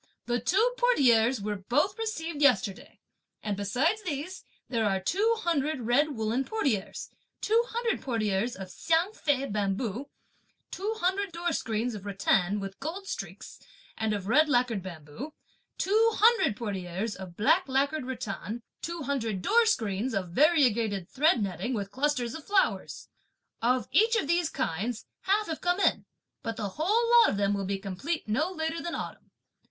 The two portieres were both received yesterday; and besides these, there are the two hundred red woollen portieres, two hundred portieres of Hsiang Fei bamboo; two hundred door screens of rattan, with gold streaks, and of red lacquered bamboo; two hundred portieres of black lacquered rattan; two hundred door screens of variegated thread netting with clusters of flowers. Of each of these kinds, half have come in, but the whole lot of them will be complete no later than autumn.